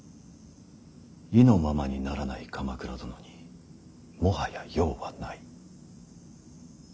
意のままにならない鎌倉殿にもはや用はない。